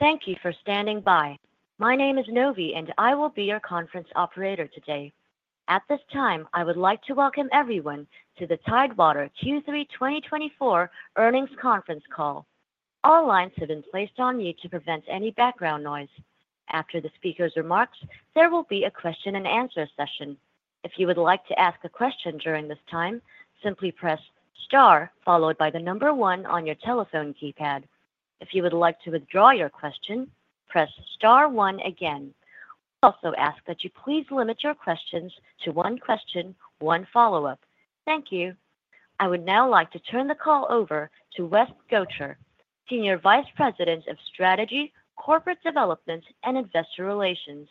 Thank you for standing by. My name is Novi, and I will be your conference operator today. At this time, I would like to welcome everyone to the Tidewater Q3 2024 earnings conference call. All lines have been placed on mute to prevent any background noise. After the speaker's remarks, there will be a question-and-answer session. If you would like to ask a question during this time, simply press star followed by the number one on your telephone keypad. If you would like to withdraw your question, press star one again. We also ask that you please limit your questions to one question, one follow-up. Thank you. I would now like to turn the call over to Wes Gotcher, Senior Vice President of Strategy, Corporate Development, and Investor Relations.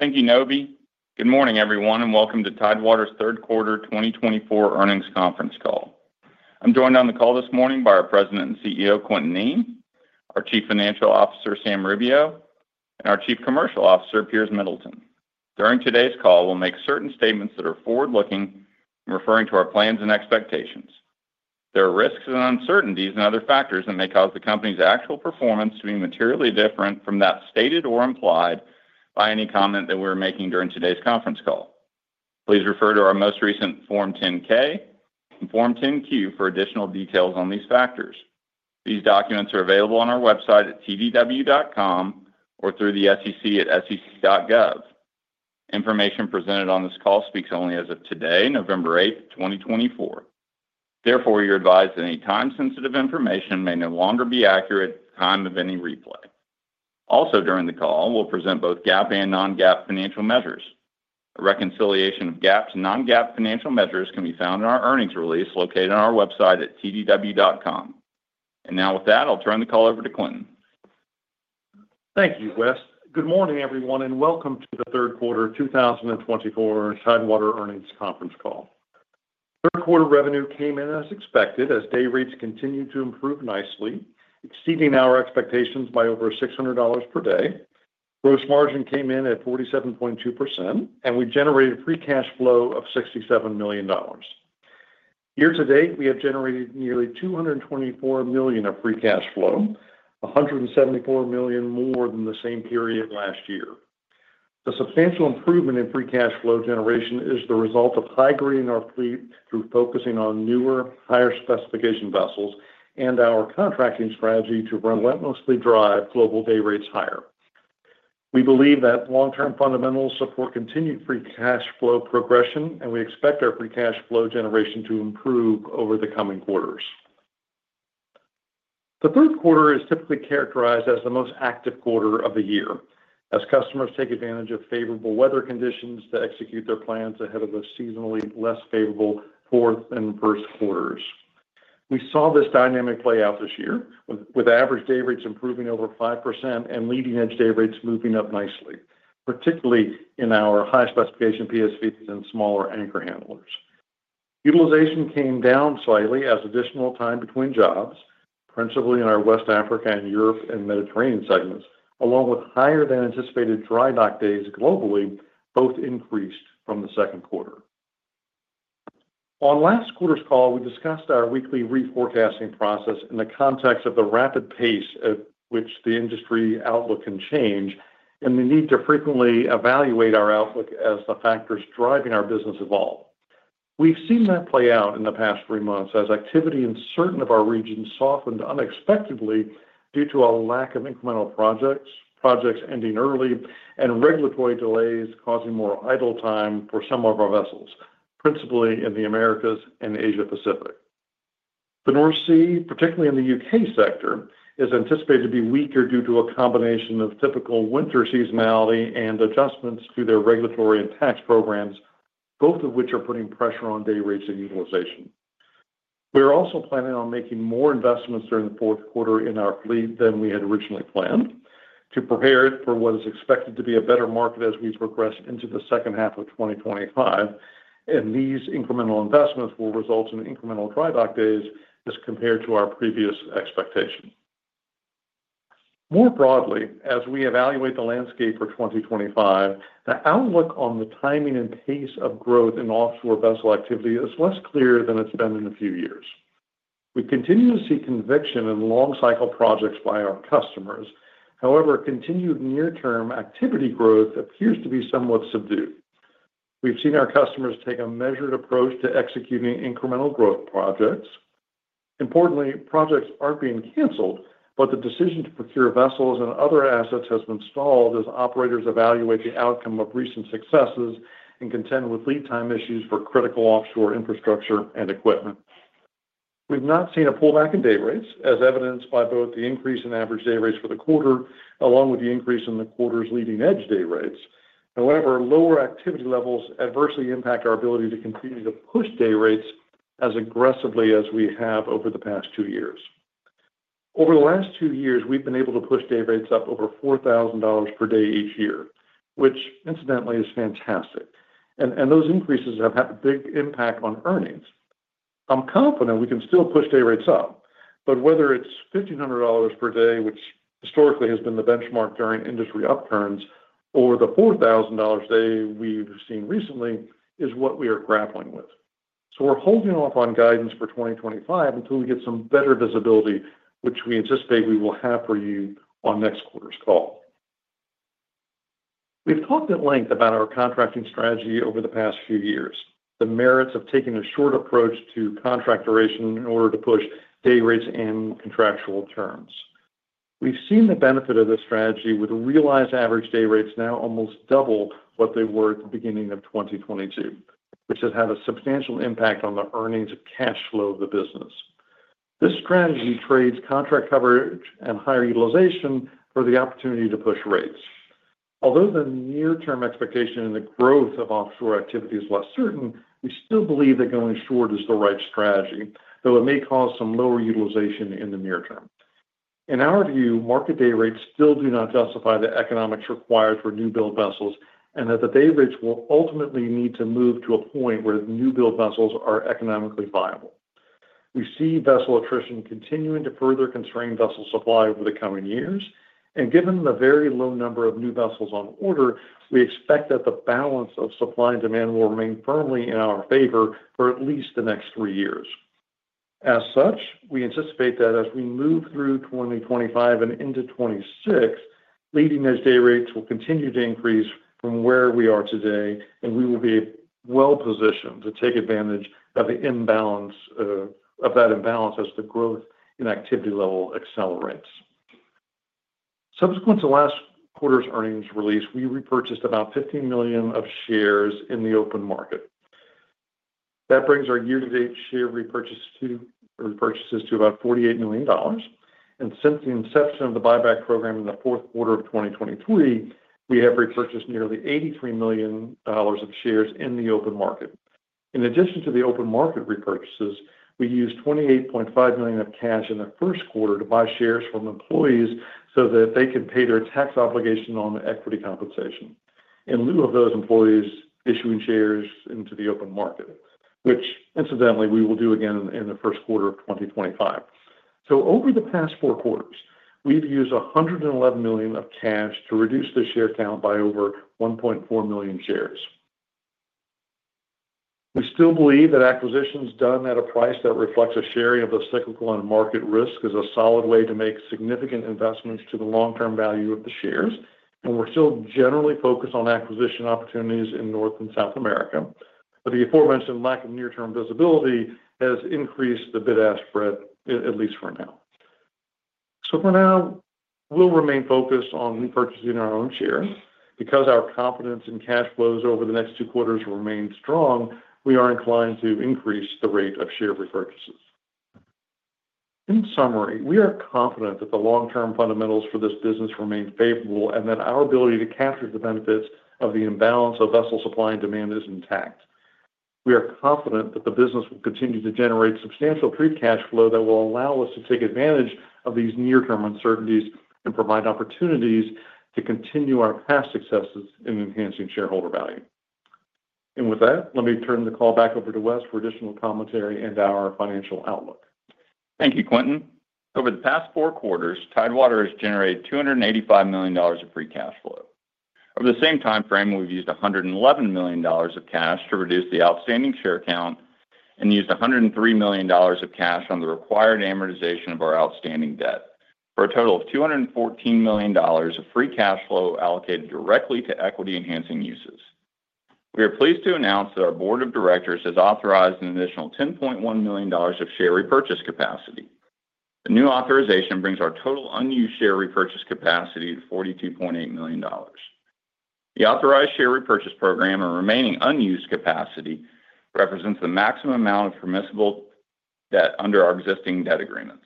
Thank you, Novi. Good morning, everyone, and welcome to Tidewater's Q3 2024 earnings conference call. I'm joined on the call this morning by our President and CEO, Quintin Kneen, our Chief Financial Officer, Sam Rubio, and our Chief Commercial Officer, Piers Middleton. During today's call, we'll make certain statements that are forward-looking, referring to our plans and expectations. There are risks and uncertainties and other factors that may cause the company's actual performance to be materially different from that stated or implied by any comment that we're making during today's conference call. Please refer to our most recent Form 10-K and Form 10-Q for additional details on these factors. These documents are available on our website at tdw.com or through the SEC at sec.gov. Information presented on this call speaks only as of today, November 8th, 2024. Therefore, you're advised that any time-sensitive information may no longer be accurate at the time of any replay. Also, during the call, we'll present both GAAP and non-GAAP financial measures. A reconciliation of GAAP to non-GAAP financial measures can be found in our earnings release located on our website at tdw.com. Now, with that, I'll turn the call over to Quintin. Thank you, Wes. Good morning, everyone, and welcome to the Q3 2024 Tidewater earnings conference call. Q3 revenue came in as expected as day rates continued to improve nicely, exceeding our expectations by over $600 per day. Gross margin came in at 47.2%, and we generated free cash flow of $67 million. Year to date, we have generated nearly $224 million of free cash flow, $174 million more than the same period last year. The substantial improvement in free cash flow generation is the result of high-grading our fleet through focusing on newer, higher-specification vessels and our contracting strategy to relentlessly drive global day rates higher. We believe that long-term fundamentals support continued free cash flow progression, and we expect our free cash flow generation to improve over the coming quarters. The Q3 is typically characterized as the most active quarter of the year, as customers take advantage of favorable weather conditions to execute their plans ahead of the seasonally less favorable Q4 and Q1. We saw this dynamic play out this year, with average day rates improving over 5% and leading-edge day rates moving up nicely, particularly in our high-specification PSVs and smaller anchor handlers. Utilization came down slightly as additional time between jobs, principally in our West Africa and Europe and Mediterranean segments, along with higher-than-anticipated dry dock days globally, both increased from the Q2. On last quarter's call, we discussed our weekly reforecasting process in the context of the rapid pace at which the industry outlook can change and the need to frequently evaluate our outlook as the factors driving our business evolve. We've seen that play out in the past three months as activity in certain of our regions softened unexpectedly due to a lack of incremental projects, projects ending early, and regulatory delays causing more idle time for some of our vessels, principally in the Americas and Asia-Pacific. The North Sea, particularly in the U.K. sector, is anticipated to be weaker due to a combination of typical winter seasonality and adjustments to their regulatory and tax programs, both of which are putting pressure on day rates and utilization. We are also planning on making more investments during the Q4 in our fleet than we had originally planned to prepare it for what is expected to be a better market as we progress into the second half of 2025, and these incremental investments will result in incremental dry dock days as compared to our previous expectation. More broadly, as we evaluate the landscape for 2025, the outlook on the timing and pace of growth in offshore vessel activity is less clear than it's been in a few years. We continue to see conviction in long-cycle projects by our customers. However, continued near-term activity growth appears to be somewhat subdued. We've seen our customers take a measured approach to executing incremental growth projects. Importantly, projects aren't being canceled, but the decision to procure vessels and other assets has been stalled as operators evaluate the outcome of recent successes and contend with lead time issues for critical offshore infrastructure and equipment. We've not seen a pullback in day rates, as evidenced by both the increase in average day rates for the quarter, along with the increase in the quarter's leading-edge day rates. However, lower activity levels adversely impact our ability to continue to push day rates as aggressively as we have over the past two years. Over the last two years, we've been able to push day rates up over $4,000 per day each year, which incidentally is fantastic, and those increases have had a big impact on earnings. I'm confident we can still push day rates up, but whether it's $1,500 per day, which historically has been the benchmark during industry upturns, or the $4,000 day we've seen recently is what we are grappling with, so we're holding off on guidance for 2025 until we get some better visibility, which we anticipate we will have for you on next quarter's call. We've talked at length about our contracting strategy over the past few years, the merits of taking a short approach to contract duration in order to push day rates and contractual terms. We've seen the benefit of this strategy with realized average day rates now almost double what they were at the beginning of 2022, which has had a substantial impact on the earnings and cash flow of the business. This strategy trades contract coverage and higher utilization for the opportunity to push rates. Although the near-term expectation and the growth of offshore activity is less certain, we still believe that going short is the right strategy, though it may cause some lower utilization in the near term. In our view, market day rates still do not justify the economics required for new-build vessels and that the day rates will ultimately need to move to a point where new-build vessels are economically viable. We see vessel attrition continuing to further constrain vessel supply over the coming years. Given the very low number of new vessels on order, we expect that the balance of supply and demand will remain firmly in our favor for at least the next three years. As such, we anticipate that as we move through 2025 and into 2026, leading-edge day rates will continue to increase from where we are today, and we will be well-positioned to take advantage of that imbalance as the growth in activity level accelerates. Subsequent to last quarter's earnings release, we repurchased about 15 million of shares in the open market. That brings our year-to-date share repurchases to about $48 million. And since the inception of the buyback program in the Q4 of 2023, we have repurchased nearly $83 million of shares in the open market. In addition to the open market repurchases, we used $28.5 million of cash in the Q1 to buy shares from employees so that they could pay their tax obligation on equity compensation in lieu of those employees issuing shares into the open market, which incidentally we will do again in the Q1 of 2025. So, over the past four quarters, we've used $111 million of cash to reduce the share count by over 1.4 million shares. We still believe that acquisitions done at a price that reflects a sharing of the cyclical and market risk is a solid way to make significant investments to the long-term value of the shares. We're still generally focused on acquisition opportunities in North and South America. The aforementioned lack of near-term visibility has increased the bid-ask spread, at least for now. For now, we'll remain focused on repurchasing our own shares. Because our confidence in cash flows over the next two quarters remains strong, we are inclined to increase the rate of share repurchases. In summary, we are confident that the long-term fundamentals for this business remain favorable and that our ability to capture the benefits of the imbalance of vessel supply and demand is intact. We are confident that the business will continue to generate substantial free cash flow that will allow us to take advantage of these near-term uncertainties and provide opportunities to continue our past successes in enhancing shareholder value. With that, let me turn the call back over to Wes for additional commentary and our financial outlook. Thank you, Quintin. Over the past four quarters, Tidewater has generated $285 million of free cash flow. Over the same timeframe, we've used $111 million of cash to reduce the outstanding share count and used $103 million of cash on the required amortization of our outstanding debt for a total of $214 million of free cash flow allocated directly to equity-enhancing uses. We are pleased to announce that our board of directors has authorized an additional $10.1 million of share repurchase capacity. The new authorization brings our total unused share repurchase capacity to $42.8 million. The authorized share repurchase program and remaining unused capacity represents the maximum amount of permissible debt under our existing debt agreements.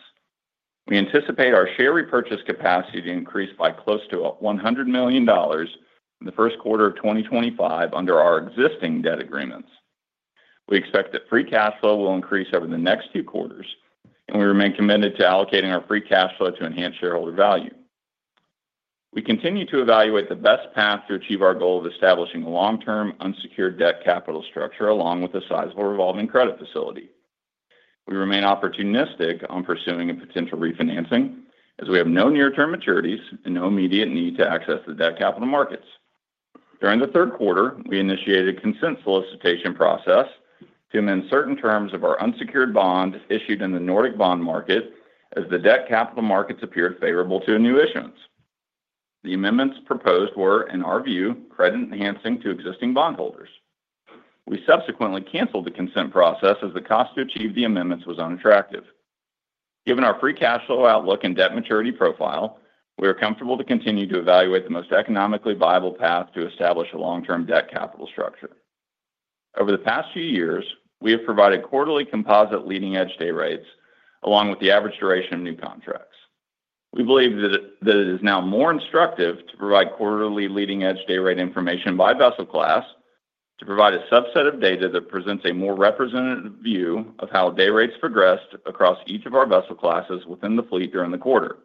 We anticipate our share repurchase capacity to increase by close to $100 million in the Q1 of 2025 under our existing debt agreements. We expect that free cash flow will increase over the next few quarters, and we remain committed to allocating our free cash flow to enhance shareholder value. We continue to evaluate the best path to achieve our goal of establishing a long-term unsecured debt capital structure along with a sizable revolving credit facility. We remain opportunistic on pursuing a potential refinancing as we have no near-term maturities and no immediate need to access the debt capital markets. During the Q3, we initiated a consent solicitation process to amend certain terms of our unsecured bond issued in the Nordic bond market as the debt capital markets appeared favorable to a new issuance. The amendments proposed were, in our view, credit-enhancing to existing bondholders. We subsequently canceled the consent process as the cost to achieve the amendments was unattractive. Given our free cash flow outlook and debt maturity profile, we are comfortable to continue to evaluate the most economically viable path to establish a long-term debt capital structure. Over the past few years, we have provided quarterly composite leading-edge day rates along with the average duration of new contracts. We believe that it is now more instructive to provide quarterly leading-edge day rate information by vessel class to provide a subset of data that presents a more representative view of how day rates progressed across each of our vessel classes within the fleet during the quarter.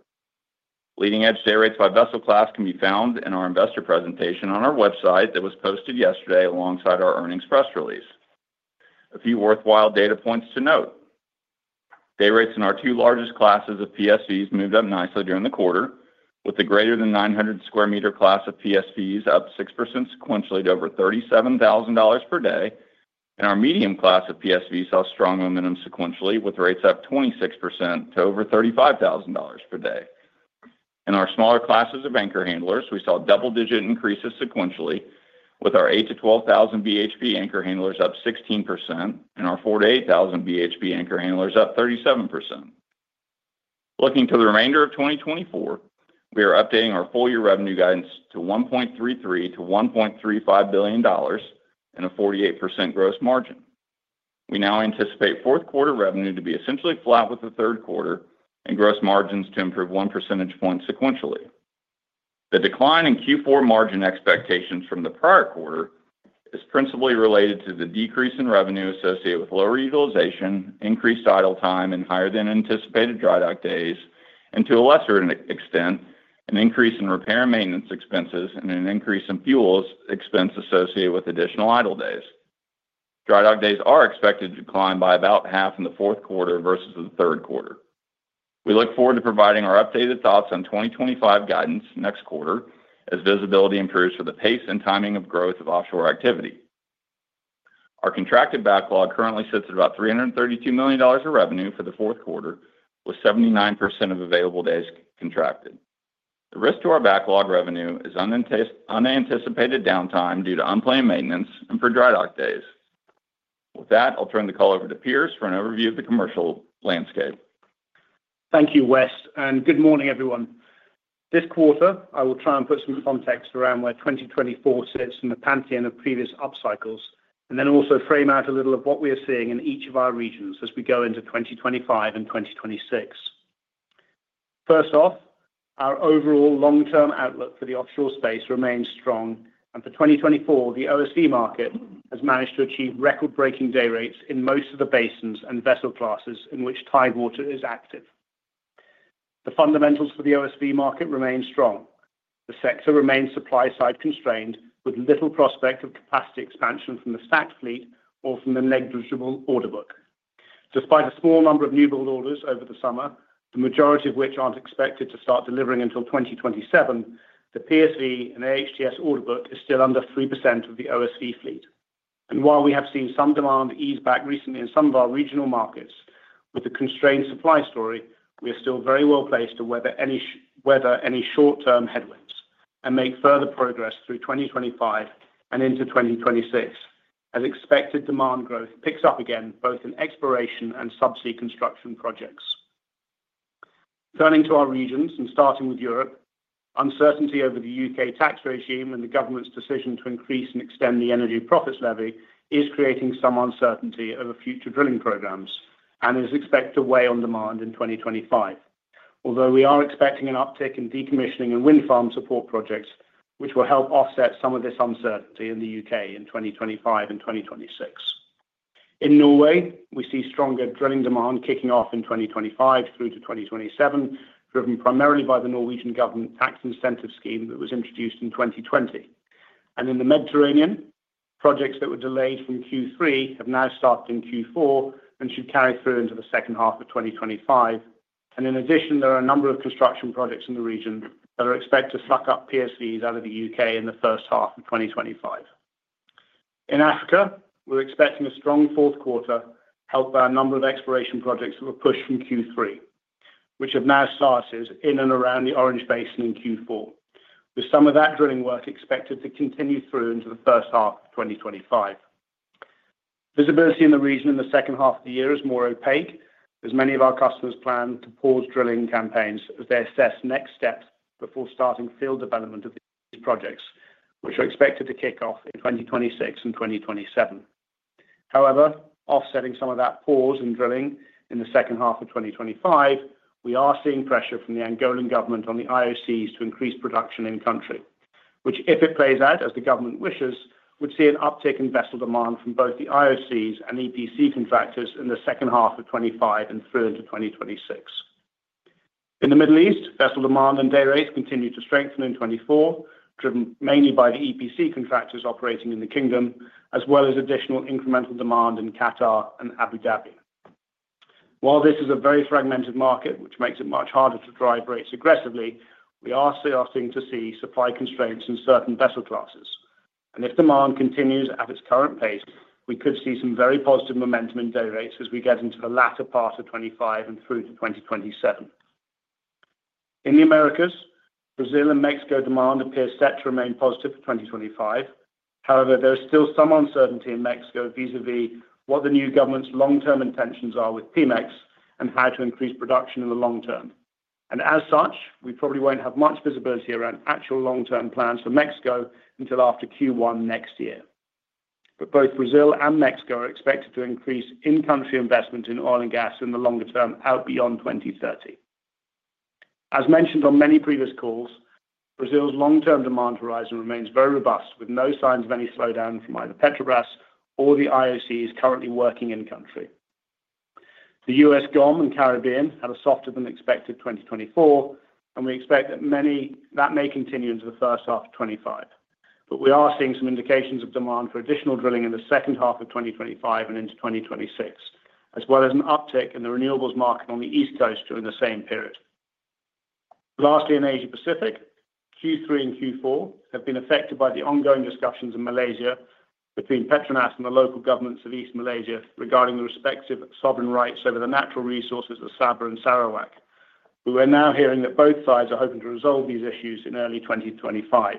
Leading-edge day rates by vessel class can be found in our investor presentation on our website that was posted yesterday alongside our earnings press release. A few worthwhile data points to note: Day rates in our two largest classes of PSVs moved up nicely during the quarter, with the greater than 900 square meter class of PSVs up 6% sequentially to over $37,000 per day. And our medium class of PSVs saw strong momentum sequentially with rates up 26% to over $35,000 per day. In our smaller classes of anchor handlers, we saw double-digit increases sequentially with our 8,000-12,000 BHP anchor handlers up 16% and our 4,000-8,000 BHP anchor handlers up 37%. Looking to the remainder of 2024, we are updating our full-year revenue guidance to $1.33-$1.35 billion and a 48% gross margin. We now anticipate Q4 revenue to be essentially flat with the Q3 and gross margins to improve one percentage point sequentially. The decline in Q4 margin expectations from the prior quarter is principally related to the decrease in revenue associated with lower utilization, increased idle time, and higher-than-anticipated dry dock days, and to a lesser extent, an increase in repair and maintenance expenses and an increase in fuels expense associated with additional idle days. Dry dock days are expected to decline by about half in the Q4 versus the Q3. We look forward to providing our updated thoughts on 2025 guidance next quarter as visibility improves for the pace and timing of growth of offshore activity. Our contracted backlog currently sits at about $332 million of revenue for the Q4, with 79% of available days contracted. The risk to our backlog revenue is unanticipated downtime due to unplanned maintenance and for dry dock days. With that, I'll turn the call over to Piers for an overview of the commercial landscape. Thank you, Wes. Good morning, everyone. This quarter, I will try and put some context around where 2024 sits in the pantheon of previous upcycles, and then also frame out a little of what we are seeing in each of our regions as we go into 2025 and 2026. First off, our overall long-term outlook for the offshore space remains strong. For 2024, the OSV market has managed to achieve record-breaking day rates in most of the basins and vessel classes in which Tidewater is active. The fundamentals for the OSV market remain strong. The sector remains supply-side constrained, with little prospect of capacity expansion from the stacked fleet or from the negligible order book. Despite a small number of new-build orders over the summer, the majority of which aren't expected to start delivering until 2027, the PSV and AHTS order book is still under 3% of the OSV fleet. And while we have seen some demand ease back recently in some of our regional markets with the constrained supply story, we are still very well placed to weather any short-term headwinds and make further progress through 2025 and into 2026 as expected demand growth picks up again both in exploration and subsea construction projects. Turning to our regions and starting with Europe, uncertainty over the U.K. tax regime and the government's decision to increase and extend the Energy Profits Levy is creating some uncertainty over future drilling programs and is expected to weigh on demand in 2025, although we are expecting an uptick in decommissioning and wind farm support projects, which will help offset some of this uncertainty in the U.K. in 2025 and 2026. In Norway, we see stronger drilling demand kicking off in 2025 through to 2027, driven primarily by the Norwegian government tax incentive scheme that was introduced in 2020, and in the Mediterranean, projects that were delayed from Q3 have now stopped in Q4 and should carry through into the second half of 2025. In addition, there are a number of construction projects in the region that are expected to suck up PSVs out of the U.K. in the first half of 2025. In Africa, we're expecting a strong Q4 helped by a number of exploration projects that were pushed from Q3, which have now started in and around the Orange Basin in Q4, with some of that drilling work expected to continue through into the first half of 2025. Visibility in the region in the second half of the year is more opaque as many of our customers plan to pause drilling campaigns as they assess next steps before starting field development of these projects, which are expected to kick off in 2026 and 2027. However, offsetting some of that pause in drilling in the second half of 2025, we are seeing pressure from the Angolan government on the IOCs to increase production in-country, which, if it plays out as the government wishes, would see an uptick in vessel demand from both the IOCs and EPC contractors in the second half of 2025 and through into 2026. In the Middle East, vessel demand and day rates continue to strengthen in 2024, driven mainly by the EPC contractors operating in the Kingdom, as well as additional incremental demand in Qatar and Abu Dhabi. While this is a very fragmented market, which makes it much harder to drive rates aggressively, we are starting to see supply constraints in certain vessel classes. And if demand continues at its current pace, we could see some very positive momentum in day rates as we get into the latter part of 2025 and through to 2027. In the Americas, Brazil and Mexico demand appears set to remain positive for 2025. However, there is still some uncertainty in Mexico vis-à-vis what the new government's long-term intentions are with Pemex and how to increase production in the long term. And as such, we probably won't have much visibility around actual long-term plans for Mexico until after Q1 next year. But both Brazil and Mexico are expected to increase in-country investment in oil and gas in the longer term out beyond 2030. As mentioned on many previous calls, Brazil's long-term demand horizon remains very robust, with no signs of any slowdown from either Petrobras or the IOCs currently working in-country. The US GOM and Caribbean had a softer-than-expected 2024, and we expect that many that may continue into the first half of 2025. But we are seeing some indications of demand for additional drilling in the second half of 2025 and into 2026, as well as an uptick in the renewables market on the East Coast during the same period. Lastly, in Asia-Pacific, Q3 and Q4 have been affected by the ongoing discussions in Malaysia between Petronas and the local governments of East Malaysia regarding the respective sovereign rights over the natural resources of Sabah and Sarawak. We are now hearing that both sides are hoping to resolve these issues in early 2025,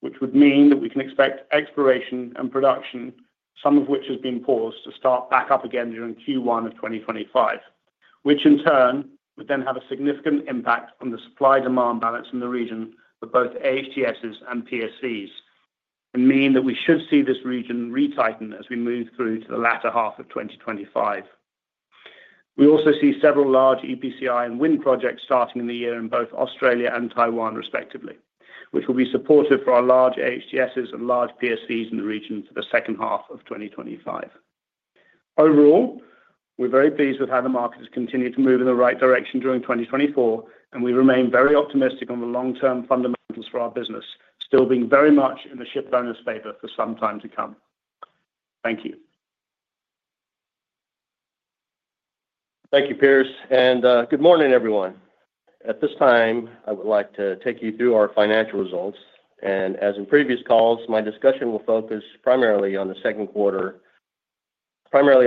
which would mean that we can expect exploration and production, some of which has been paused, to start back up again during Q1 of 2025, which in turn would then have a significant impact on the supply-demand balance in the region for both AHTSs and PSVs and mean that we should see this region retighten as we move through to the latter half of 2025. We also see several large EPCI and wind projects starting in the year in both Australia and Taiwan, respectively, which will be supportive for our large AHTSs and large PSVs in the region for the second half of 2025. Overall, we're very pleased with how the market has continued to move in the right direction during 2024, and we remain very optimistic on the long-term fundamentals for our business, still being very much in the shipowners' favor for some time to come. Thank you. Thank you, Piers. Good morning, everyone. At this time, I would like to take you through our financial results. As in previous calls, my discussion will focus primarily on the Q2, primarily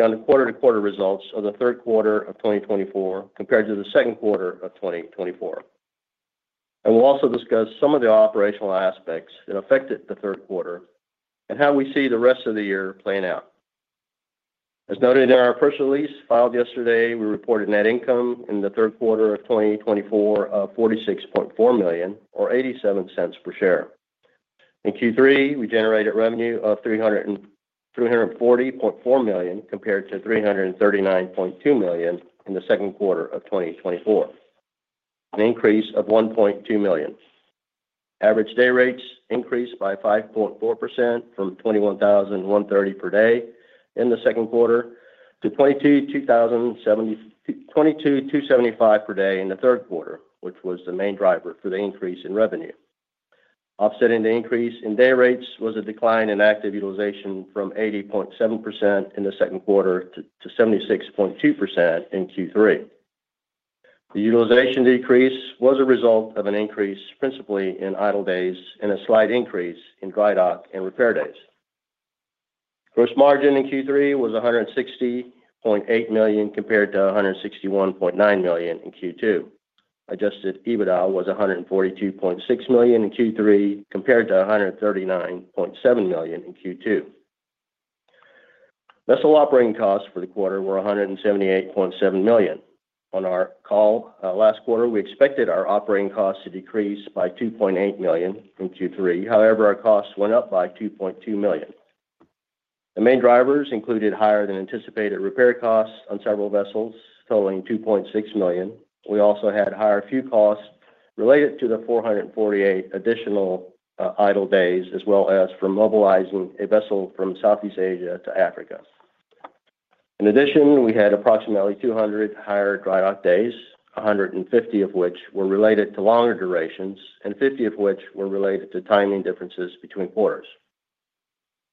on the quarter-to-quarter results of the Q3 of 2024 compared to the Q2 of 2024. We'll also discuss some of the operational aspects that affected the Q3 and how we see the rest of the year playing out. As noted in our press release filed yesterday, we reported net income in the Q3 of 2024 of $46.4 million, or $0.87 per share. In Q3, we generated revenue of $340.4 million compared to $339.2 million in the Q2 of 2024, an increase of $1.2 million. Average day rates increased by 5.4% from $21,130 per day in the Q2 to $22,275 per day in the Q3, which was the main driver for the increase in revenue. Offsetting the increase in day rates was a decline in active utilization from 80.7% in the Q2 to 76.2% in Q3. The utilization decrease was a result of an increase principally in idle days and a slight increase in dry dock and repair days. Gross margin in Q3 was $160.8 million compared to $161.9 million in Q2. Adjusted EBITDA was $142.6 million in Q3 compared to $139.7 million in Q2. Vessel operating costs for the quarter were $178.7 million. On our call last quarter, we expected our operating costs to decrease by $2.8 million in Q3. However, our costs went up by $2.2 million. The main drivers included higher-than-anticipated repair costs on several vessels totaling $2.6 million. We also had higher fuel costs related to the 448 additional idle days, as well as for mobilizing a vessel from Southeast Asia to Africa. In addition, we had approximately 200 higher dry dock days, 150 of which were related to longer durations and 50 of which were related to timing differences between quarters.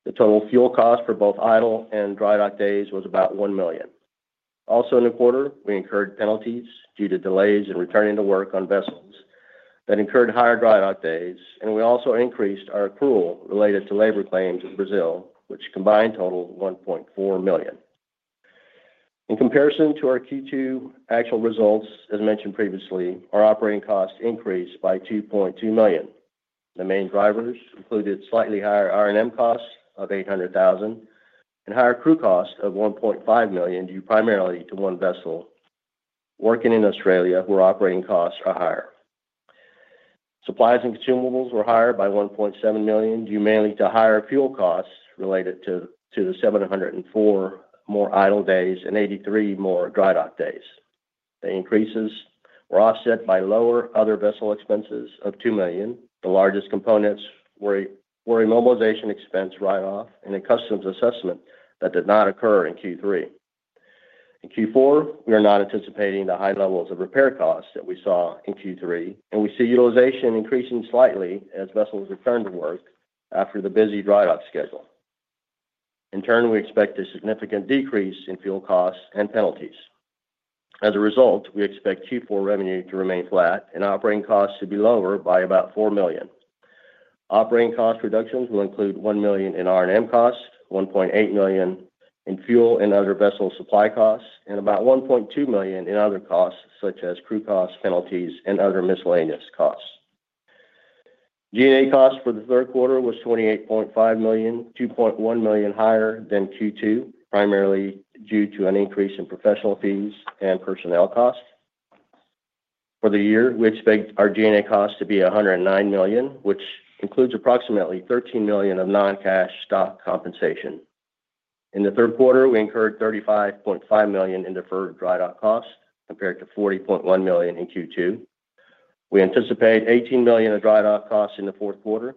The total fuel cost for both idle and dry dock days was about $1 million. Also in the quarter, we incurred penalties due to delays in returning to work on vessels that incurred higher dry dock days, and we also increased our accrual related to labor claims in Brazil, which combined totaled $1.4 million. In comparison to our Q2 actual results, as mentioned previously, our operating costs increased by $2.2 million. The main drivers included slightly higher R&M costs of $800,000 and higher crew costs of $1.5 million due primarily to one vessel. Working in Australia, where operating costs are higher. Supplies and consumables were higher by $1.7 million due mainly to higher fuel costs related to the 704 more idle days and 83 more dry dock days. The increases were offset by lower other vessel expenses of $2 million. The largest components were a mobilization expense write-off and a customs assessment that did not occur in Q3. In Q4, we are not anticipating the high levels of repair costs that we saw in Q3, and we see utilization increasing slightly as vessels return to work after the busy dry dock schedule. In turn, we expect a significant decrease in fuel costs and penalties. As a result, we expect Q4 revenue to remain flat and operating costs to be lower by about $4 million. Operating cost reductions will include $1 million in R&M costs, $1.8 million in fuel and other vessel supply costs, and about $1.2 million in other costs such as crew costs, penalties, and other miscellaneous costs. G&A costs for the Q3 was $28.5 million, $2.1 million higher than Q2, primarily due to an increase in professional fees and personnel costs. For the year, we expect our G&A costs to be $109 million, which includes approximately $13 million of non-cash stock compensation. In the Q3, we incurred $35.5 million in deferred dry dock costs compared to $40.1 million in Q2. We anticipate $18 million of dry dock costs in the Q4.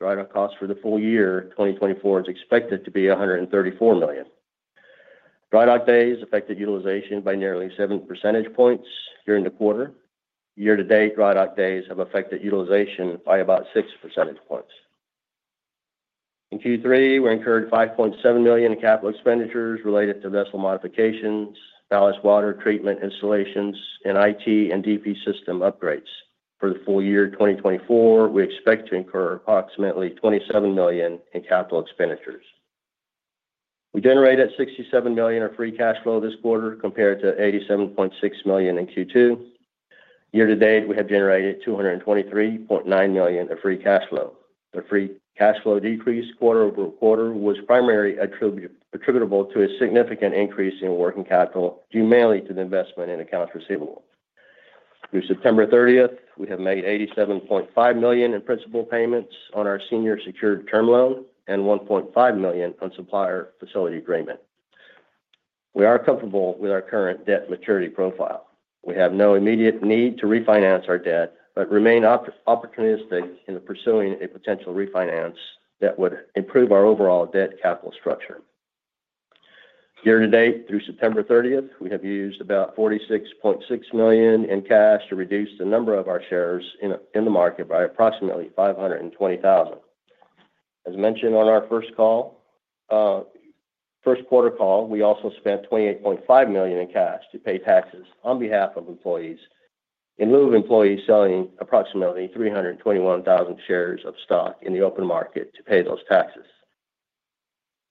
Dry dock costs for the full year 2024 are expected to be $134 million. Dry dock days affected utilization by nearly seven percentage points during the quarter. Year-to-date dry dock days have affected utilization by about six percentage points. In Q3, we incurred $5.7 million in capital expenditures related to vessel modifications, ballast water treatment installations, and IT and DP system upgrades. For the full year 2024, we expect to incur approximately $27 million in capital expenditures. We generated $67 million of free cash flow this quarter compared to $87.6 million in Q2. Year-to-date, we have generated $223.9 million of free cash flow. The free cash flow decrease quarter over quarter was primarily attributable to a significant increase in working capital due mainly to the investment in accounts receivable. Through September 30th, we have made $87.5 million in principal payments on our senior secured term loan and $1.5 million on supplier facility agreement. We are comfortable with our current debt maturity profile. We have no immediate need to refinance our debt, but remain opportunistic in pursuing a potential refinance that would improve our overall debt capital structure. Year-to-date, through September 30th, we have used about $46.6 million in cash to reduce the number of our shares in the market by approximately $520,000. As mentioned on our Q1 call, we also spent $28.5 million in cash to pay taxes on behalf of employees in lieu of employees selling approximately 321,000 shares of stock in the open market to pay those taxes.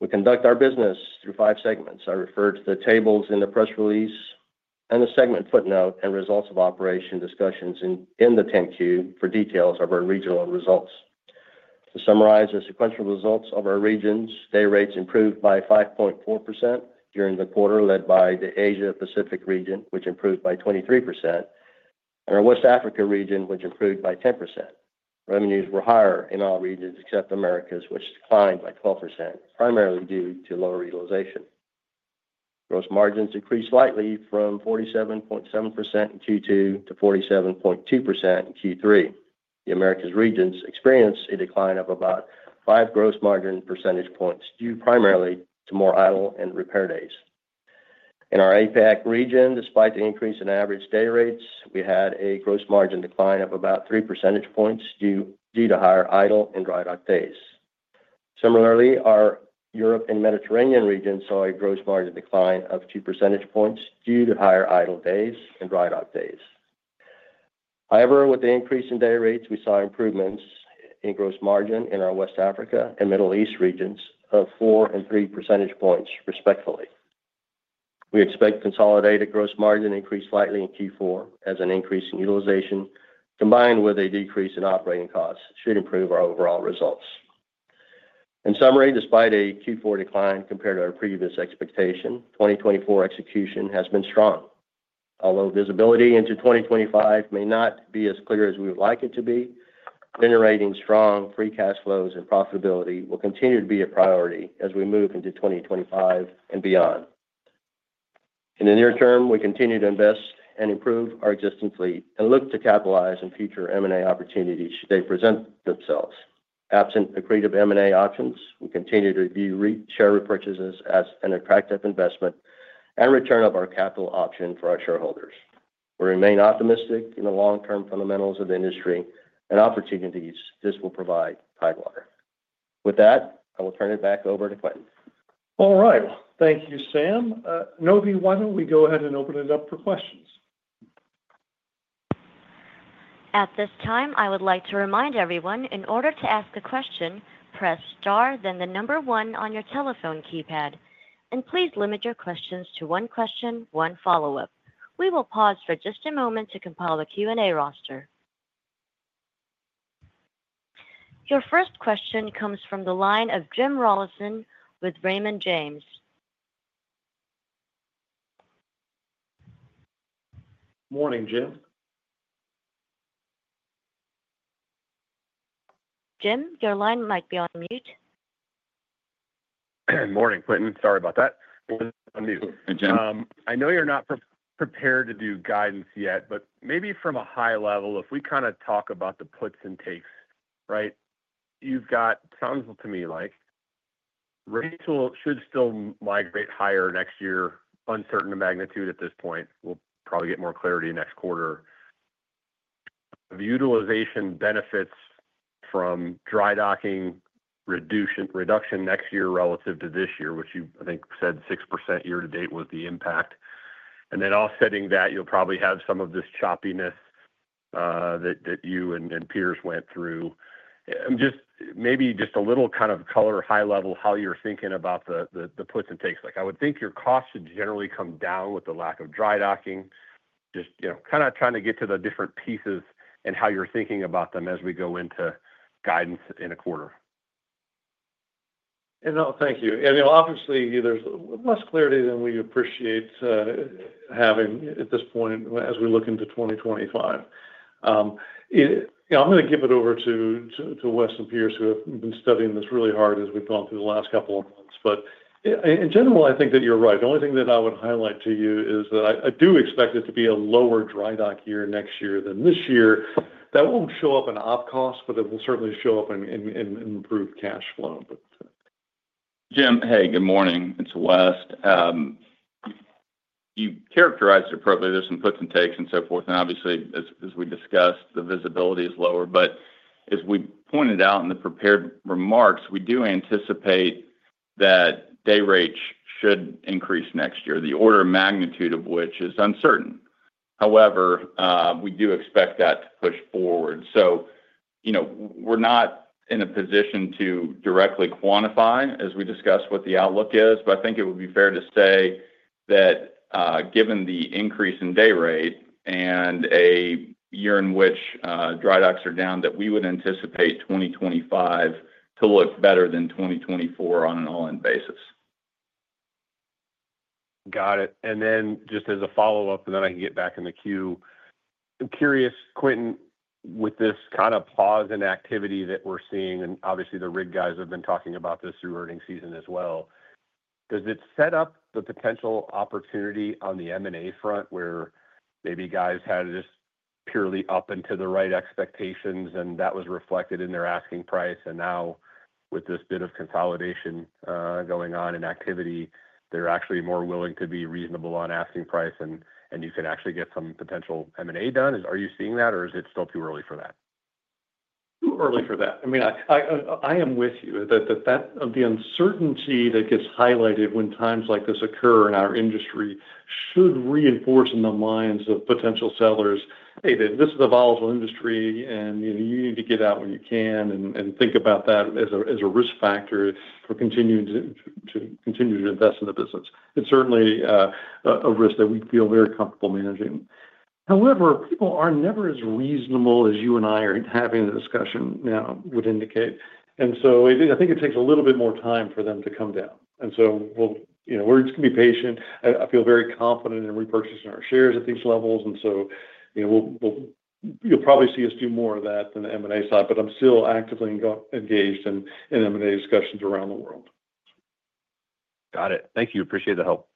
We conduct our business through five segments. I referred to the tables in the press release and the segment footnote and results of operations discussions in the 10-Q for details of our regional results. To summarize, the sequential results of our regions, day rates improved by 5.4% during the quarter led by the Asia-Pacific region, which improved by 23%, and our West Africa region, which improved by 10%. Revenues were higher in all regions except Americas, which declined by 12%, primarily due to lower utilization. Gross margins decreased slightly from 47.7% in Q2 to 47.2% in Q3. The Americas regions experienced a decline of about 5 gross margin percentage points due primarily to more idle and repair days. In our APAC region, despite the increase in average day rates, we had a gross margin decline of about 3 percentage points due to higher idle and dry dock days. Similarly, our Europe and Mediterranean region saw a gross margin decline of 2 percentage points due to higher idle days and dry dock days. However, with the increase in day rates, we saw improvements in gross margin in our West Africa and Middle East regions of four and three percentage points, respectively. We expect consolidated gross margin to increase slightly in Q4, as an increase in utilization combined with a decrease in operating costs should improve our overall results. In summary, despite a Q4 decline compared to our previous expectation, 2024 execution has been strong. Although visibility into 2025 may not be as clear as we would like it to be, generating strong free cash flows and profitability will continue to be a priority as we move into 2025 and beyond. In the near term, we continue to invest and improve our existing fleet and look to capitalize on future M&A opportunities should they present themselves. Absent accretive M&A options, we continue to view share repurchases as an attractive investment and return of our capital option for our shareholders. We remain optimistic in the long-term fundamentals of the industry and opportunities this will provide Tidewater. With that, I will turn it back over to Quintin. All right. Thank you, Sam. Novi, why don't we go ahead and open it up for questions? At this time, I would like to remind everyone, in order to ask a question, press star, then the number one on your telephone keypad, and please limit your questions to one question, one follow-up. We will pause for just a moment to compile the Q&A roster. Your first question comes from the line of Jim Rollyson with Raymond James. Morning, Jim. Jim, your line might be on mute. Morning, Quintin. Sorry about that. I know you're not prepared to do guidance yet, but maybe from a high level, if we kind of talk about the puts and takes, right? You've got sounds to me like rates should still migrate higher next year, uncertain the magnitude at this point. We'll probably get more clarity next quarter. The utilization benefits from dry docking reduction next year relative to this year, which you I think said 6% year-to-date was the impact. And then offsetting that, you'll probably have some of this choppiness that you and peers went through. Maybe just a little kind of color high level how you're thinking about the puts and takes. I would think your costs should generally come down with the lack of dry docking. Just kind of trying to get to the different pieces and how you're thinking about them as we go into guidance in a quarter. Thank you. Obviously, there's less clarity than we appreciate having at this point as we look into 2025. I'm going to give it over to Wes and Piers, who have been studying this really hard as we've gone through the last couple of months. But in general, I think that you're right. The only thing that I would highlight to you is that I do expect it to be a lower dry dock year next year than this year. That won't show up in op costs, but it will certainly show up in improved cash flow. Jim, hey, good morning. It's Wes. You characterized it appropriately. There's some puts and takes and so forth. And obviously, as we discussed, the visibility is lower. But as we pointed out in the prepared remarks, we do anticipate that day rates should increase next year, the order of magnitude of which is uncertain. However, we do expect that to push forward. So we're not in a position to directly quantify, as we discussed, what the outlook is. But I think it would be fair to say that given the increase in day rate and a year in which dry docks are down, that we would anticipate 2025 to look better than 2024 on an all-in basis. Got it. And then just as a follow-up, and then I can get back in the queue, I'm curious, Quintin, with this kind of pause in activity that we're seeing, and obviously the rig guys have been talking about this through earnings season as well, does it set up the potential opportunity on the M&A front where maybe guys had just purely up and to the right expectations, and that was reflected in their asking price? And now with this bit of consolidation going on in activity, they're actually more willing to be reasonable on asking price, and you can actually get some potential M&A done. Are you seeing that, or is it still too early for that? Too early for that. I mean, I am with you. The uncertainty that gets highlighted when times like this occur in our industry should reinforce in the minds of potential sellers, "Hey, this is a volatile industry, and you need to get out when you can and think about that as a risk factor for continuing to invest in the business." It's certainly a risk that we feel very comfortable managing. However, people are never as reasonable as you and I are having the discussion now would indicate. And so I think it takes a little bit more time for them to come down. And so we're just going to be patient. I feel very confident in repurchasing our shares at these levels. And so you'll probably see us do more of that than the M&A side, but I'm still actively engaged in M&A discussions around the world. Got it. Thank you. Appreciate the help.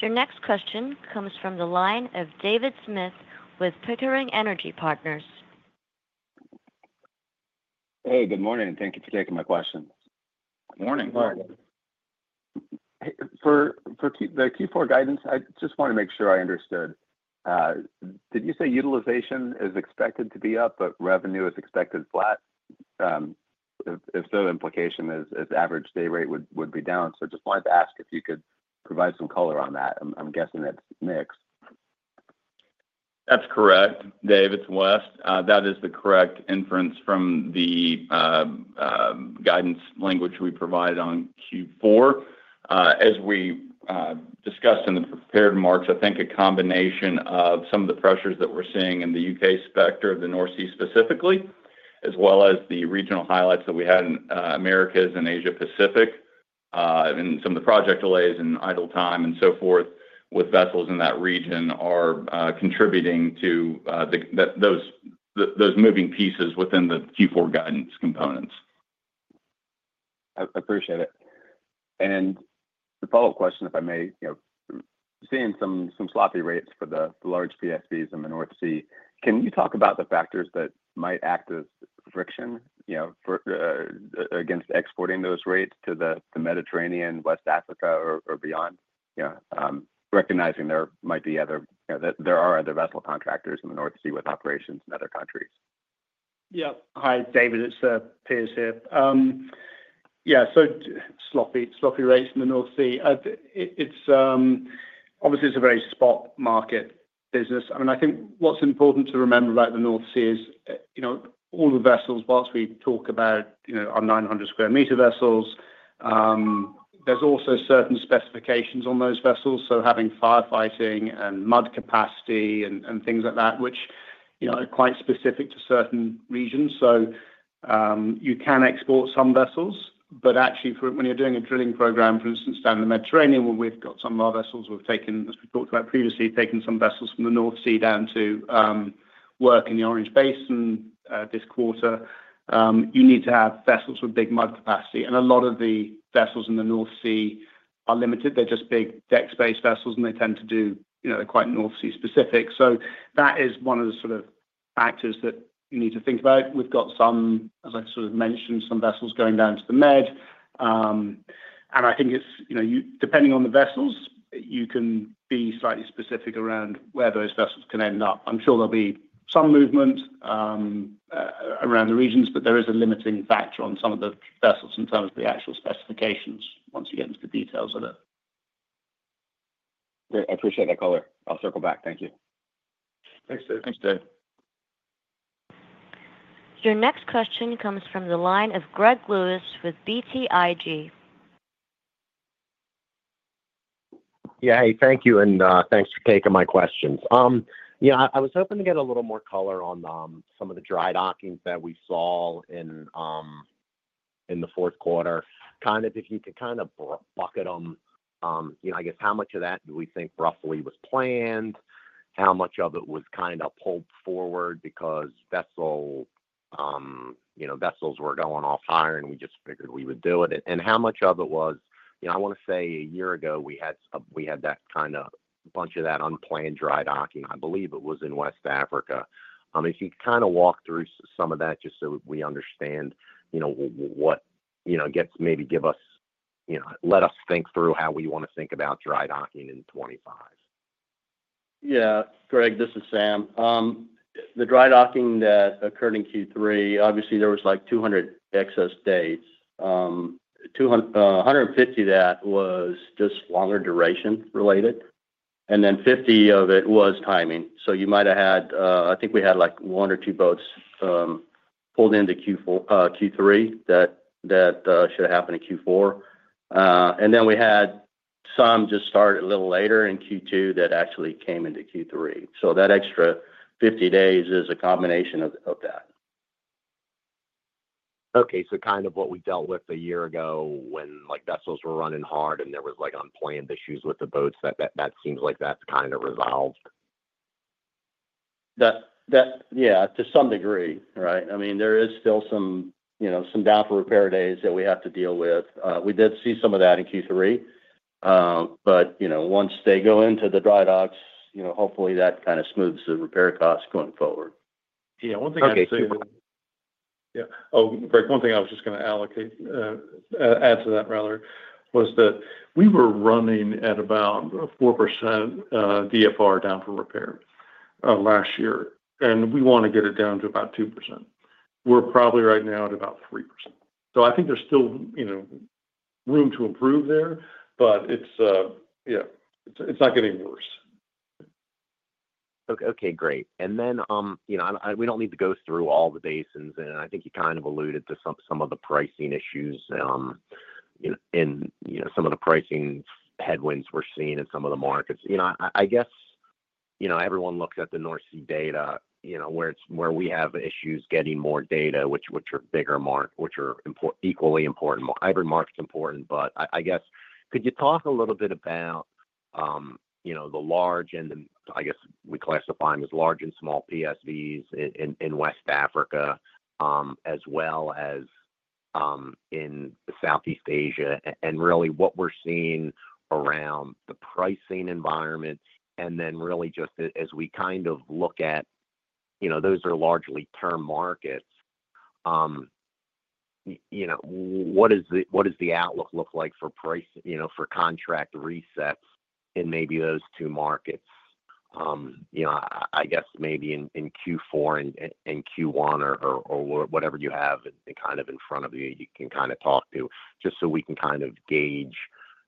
Your next question comes from the line of David Smith with Pickering Energy Partners. Hey, good morning. Thank you for taking my question. Morning. Morning. For the Q4 guidance, I just want to make sure I understood. Did you say utilization is expected to be up, but revenue is expected flat? If so, implication is average day rate would be down. So just wanted to ask if you could provide some color on that. I'm guessing it's mixed. That's correct, David. It's Wes. That is the correct inference from the guidance language we provided on Q4. As we discussed in the prepared remarks, I think a combination of some of the pressures that we're seeing in the U.K. sector, the North Sea specifically, as well as the regional highlights that we had in Americas and Asia-Pacific, and some of the project delays and idle time and so forth with vessels in that region are contributing to those moving pieces within the Q4 guidance components. I appreciate it. And the follow-up question, if I may, seeing some spot rates for the large PSVs in the North Sea, can you talk about the factors that might act as friction against exporting those rates to the Mediterranean, West Africa, or beyond? Recognizing there might be other vessel contractors in the North Sea with operations in other countries. Yeah. Hi, David. It's Piers here. Yeah. So spotty rates in the North Sea. Obviously, it's a very spot market business. I mean, I think what's important to remember about the North Sea is all the vessels, while we talk about our 900 square meter vessels, there's also certain specifications on those vessels. So having firefighting and mud capacity and things like that, which are quite specific to certain regions. So you can export some vessels, but actually, when you're doing a drilling program, for instance, down in the Mediterranean, we've got some of our vessels we've taken, as we talked about previously, taken some vessels from the North Sea down to work in the Orange Basin this quarter. You need to have vessels with big mud capacity. A lot of the vessels in the North Sea are limited. They're just big deck space vessels, and they tend to do. They're quite North Sea specific. So that is one of the sort of factors that you need to think about. We've got some, as I sort of mentioned, some vessels going down to the Med. And I think it's depending on the vessels, you can be slightly specific around where those vessels can end up. I'm sure there'll be some movement around the regions, but there is a limiting factor on some of the vessels in terms of the actual specifications once you get into the details of it. Great. I appreciate that color. I'll circle back. Thank you. Thanks, Dave. Thanks, Dave. Your next question comes from the line of Greg Lewis with BTIG. Yeah. Hey, thank you. And thanks for taking my questions. I was hoping to get a little more color on some of the dry docking that we saw in the Q4. Kind of if you could kind of bucket them, I guess, how much of that do we think roughly was planned? How much of it was kind of pulled forward because vessels were going off-hire and we just figured we would do it? And how much of it was, I want to say a year ago we had that kind of bunch of that unplanned dry docking. I believe it was in West Africa. If you could kind of walk through some of that just so we understand what gets maybe give us let us think through how we want to think about dry docking in 2025. Yeah. Greg, this is Sam. The dry docking that occurred in Q3, obviously, there was like 200 excess days. 150 of that was just longer duration related. And then 50 of it was timing. So you might have had, I think we had like one or two boats pulled into Q3 that should have happened in Q4. And then we had some just started a little later in Q2 that actually came into Q3. So that extra 50 days is a combination of that. Okay. So, kind of what we dealt with a year ago when vessels were running hard and there was unplanned issues with the boats, that seems like that's kind of resolved. Yeah. To some degree, right? I mean, there is still some down for repair days that we have to deal with. We did see some of that in Q3. But once they go into the dry docks, hopefully, that kind of smooths the repair costs going forward. Yeah. One thing I'd say. Okay. Yeah. Oh, Greg, one thing I was just going to add to that, rather, was that we were running at about 4% DFR down for repair last year, and we want to get it down to about 2%. We're probably right now at about 3%, so I think there's still room to improve there, but it's not getting worse. Okay. Great. And then we don't need to go through all the basins. And I think you kind of alluded to some of the pricing issues and some of the pricing headwinds we're seeing in some of the markets. I guess everyone looks at the North Sea day rates where we have issues getting more day rates, which are bigger markets, which are equally important. Other markets are important. But I guess, could you talk a little bit about the large and the, I guess we classify them as large and small PSVs in West Africa as well as in Southeast Asia? And really, what we're seeing around the pricing environment, and then really just as we kind of look at those are largely term markets, what does the outlook look like for contract resets in maybe those two markets? I guess maybe in Q4 and Q1 or whatever you have kind of in front of you, you can kind of talk to just so we can kind of gauge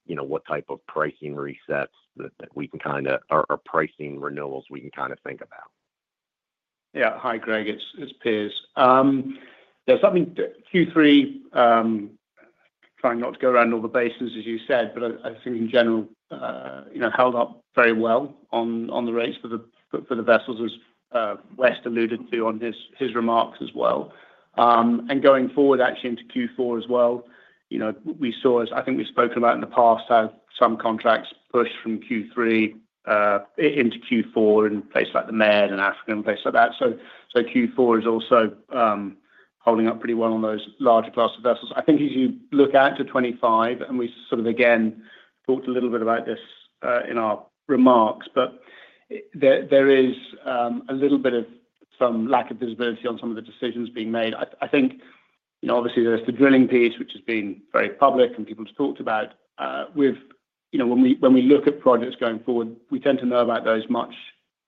what type of pricing resets that we can kind of or pricing renewals we can kind of think about. Yeah. Hi, Greg. It's Piers. There's something Q3, trying not to go around all the basins, as you said, but I think in general, held up very well on the rates for the vessels, as Wes alluded to on his remarks as well, and going forward, actually, into Q4 as well, we saw, as I think we've spoken about in the past, how some contracts pushed from Q3 into Q4 in places like the Med and Africa, in places like that, so Q4 is also holding up pretty well on those larger class of vessels. I think as you look out to 2025, and we sort of again talked a little bit about this in our remarks, but there is a little bit of some lack of visibility on some of the decisions being made. I think, obviously, there's the drilling piece, which has been very public and people have talked about. When we look at projects going forward, we tend to know about those much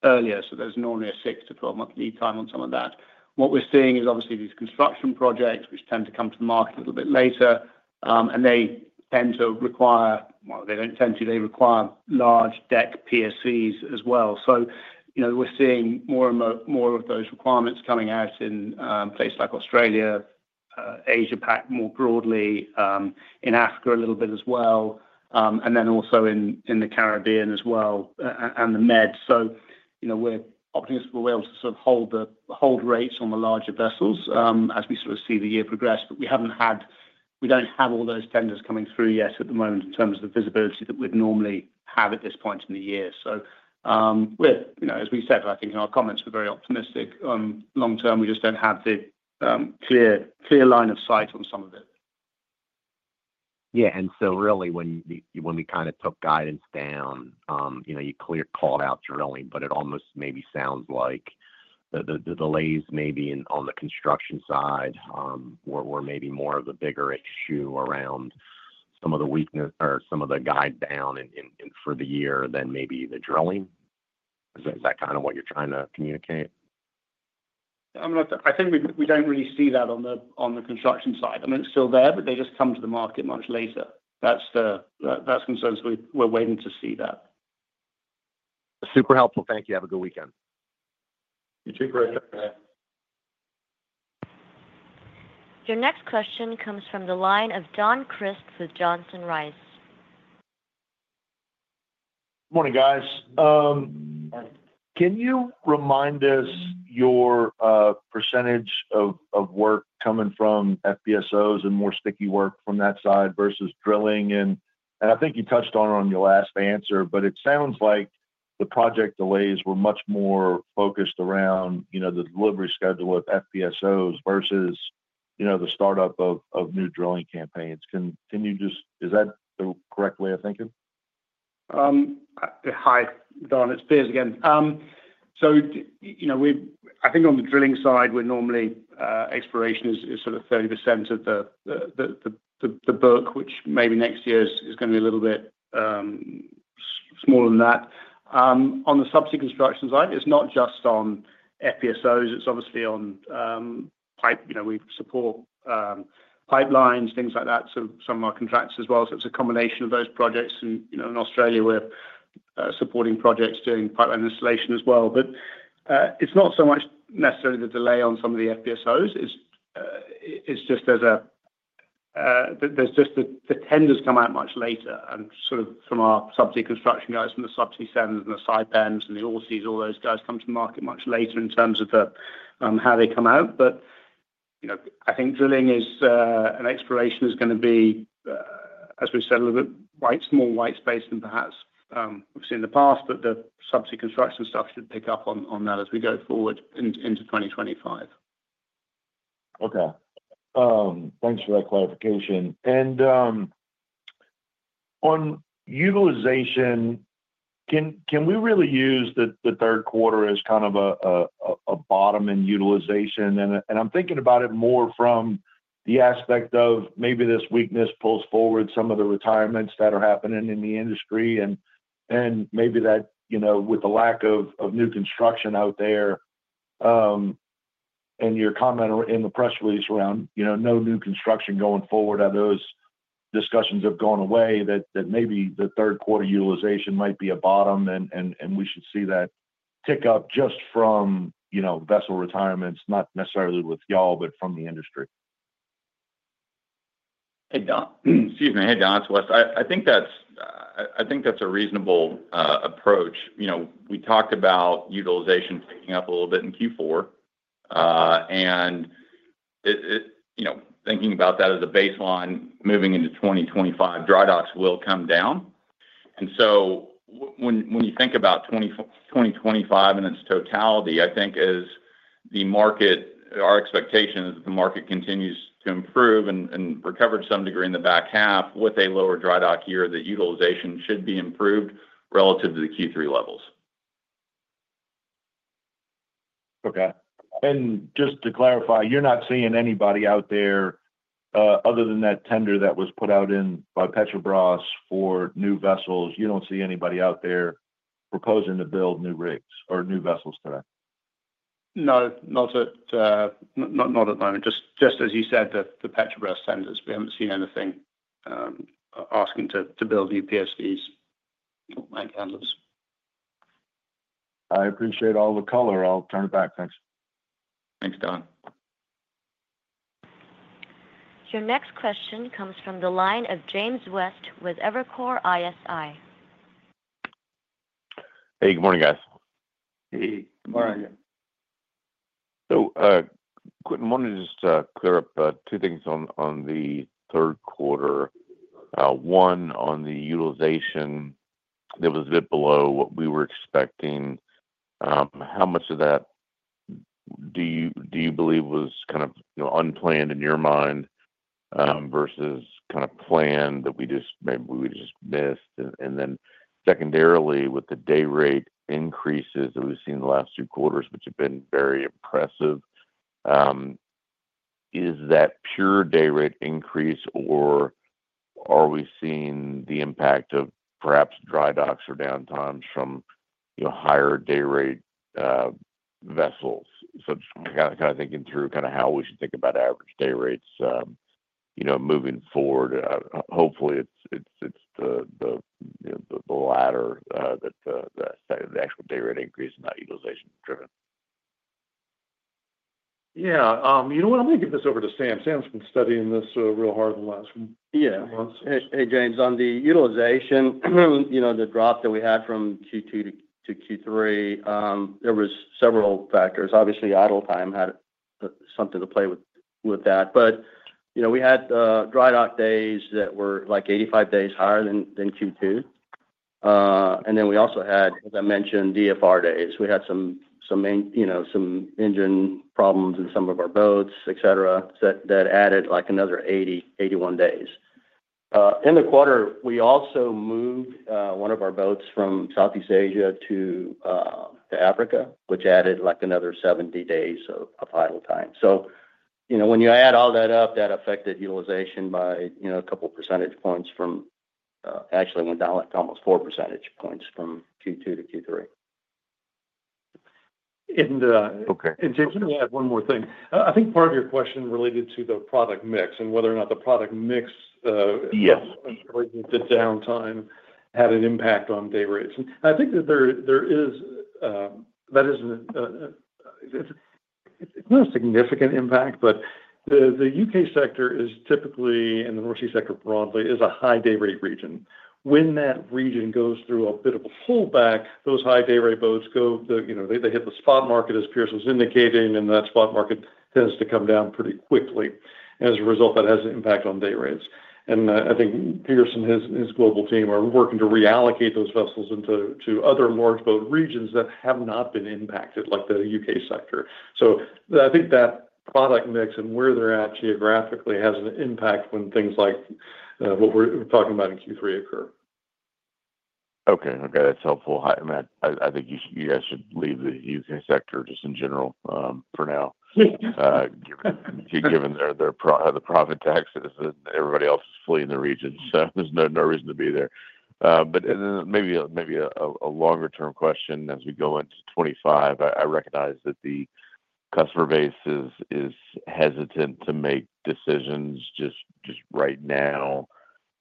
earlier. So there's normally a six to 12-month lead time on some of that. What we're seeing is obviously these construction projects, which tend to come to the market a little bit later, and they tend to require well, they don't tend to. They require large deck PSVs as well. So we're seeing more of those requirements coming out in places like Australia, Asia-Pac more broadly, in Africa a little bit as well, and then also in the Caribbean as well, and the Med. So we're optimistic we'll be able to sort of hold rates on the larger vessels as we sort of see the year progress. But we don't have all those tenders coming through yet at the moment in terms of the visibility that we'd normally have at this point in the year. So we're, as we said, I think in our comments, we're very optimistic long-term. We just don't have the clear line of sight on some of it. Yeah. And so really, when we kind of took guidance down, you clearly called out drilling, but it almost maybe sounds like the delays maybe on the construction side were maybe more of the bigger issue around some of the weakness or some of the guidance down for the year than maybe the drilling. Is that kind of what you're trying to communicate? I think we don't really see that on the construction side. I mean, it's still there, but they just come to the market much later. That's concerns. We're waiting to see that. Super helpful. Thank you. Have a good weekend. You too, Greg. Your next question comes from the line of Don Crist with Johnson Rice. Morning, guys. Can you remind us your percentage of work coming from FPSOs and more sticky work from that side versus drilling? And I think you touched on it on your last answer, but it sounds like the project delays were much more focused around the delivery schedule of FPSOs versus the startup of new drilling campaigns. Is that the correct way of thinking? Hi, Don. It's Piers again. So I think on the drilling side, we're normally exploration is sort of 30% of the book, which maybe next year is going to be a little bit smaller than that. On the subsea construction side, it's not just on FPSOs. It's obviously on pipe. We support pipelines, things like that, some of our contractors as well. So it's a combination of those projects. And in Australia, we're supporting projects doing pipeline installation as well. But it's not so much necessarily the delay on some of the FPSOs. It's just there's just the tenders come out much later and sort of from our subsea construction guys from the Subsea7 and the Saipem and the Allseas, all those guys come to market much later in terms of how they come out. But I think drilling is and exploration is going to be, as we said, a little bit more white space than perhaps we've seen in the past, but the subsea construction stuff should pick up on that as we go forward into 2025. Okay. Thanks for that clarification, and on utilization, can we really use the Q3 as kind of a bottom in utilization, and I'm thinking about it more from the aspect of maybe this weakness pulls forward some of the retirements that are happening in the industry and maybe that with the lack of new construction out there and your comment in the press release around no new construction going forward, are those discussions have gone away that maybe the Q3 utilization might be a bottom and we should see that tick up just from vessel retirements, not necessarily with y'all, but from the industry? Excuse me. Hey, Don. It's Wes. I think that's a reasonable approach. We talked about utilization picking up a little bit in Q4. And thinking about that as a baseline, moving into 2025, dry docks will come down. And so when you think about 2025 in its totality, I think, as the market, our expectation is that the market continues to improve and recover to some degree in the back half with a lower dry dock year, the utilization should be improved relative to the Q3 levels. Okay. And just to clarify, you're not seeing anybody out there other than that tender that was put out by Petrobras for new vessels. You don't see anybody out there proposing to build new rigs or new vessels today? No, not at the moment. Just as you said, the Petrobras tenders. We haven't seen anything asking to build new PSVs or AHTS. I appreciate all the color. I'll turn it back. Thanks. Thanks, Don. Your next question comes from the line of James West with Evercore ISI. Hey, good morning, guys. Hey. Good morning. Quintin, I wanted to just clear up two things on the Q3. One, on the utilization, there was a bit below what we were expecting. How much of that do you believe was kind of unplanned in your mind versus kind of planned that we just maybe we just missed? And then secondarily, with the day rate increases that we've seen in the last two quarters, which have been very impressive, is that pure day rate increase or are we seeing the impact of perhaps dry docks or downtimes from higher day rate vessels? Kind of thinking through kind of how we should think about average day rates moving forward. Hopefully, it's the latter that the actual day rate increase and not utilization driven. Yeah. You know what? I'm going to give this over to Sam. Sam's been studying this real hard in the last few months. Yeah. Hey, James. On the utilization, the drop that we had from Q2 to Q3, there were several factors. Obviously, idle time had something to play with that. But we had dry dock days that were like 85 days higher than Q2. And then we also had, as I mentioned, DFR days. We had some engine problems in some of our boats, etc., that added like another 81 days. In the quarter, we also moved one of our boats from Southeast Asia to Africa, which added like another 70 days of idle time. So when you add all that up, that affected utilization by a couple of percentage points from actually, it went down like almost 4 percentage points from Q2 to Q3. James, let me add one more thing. I think part of your question related to the product mix and whether or not the product mix affected the downtime had an impact on day rates. I think that there isn't. It's not a significant impact, but the U.K. sector is typically, and the North Sea sector broadly, is a high day rate region. When that region goes through a bit of a pullback, those high day rate boats go. They hit the spot market, as Piers was indicating, and that spot market tends to come down pretty quickly. And as a result, that has an impact on day rates. I think Piers and his global team are working to reallocate those vessels into other large boat regions that have not been impacted like the U.K. sector. So I think that product mix and where they're at geographically has an impact when things like what we're talking about in Q3 occur. Okay. Okay. That's helpful. I think you guys should leave the U.K. sector just in general for now, given the profit taxes and everybody else is fleeing the region. So there's no reason to be there. But maybe a longer-term question as we go into 2025. I recognize that the customer base is hesitant to make decisions just right now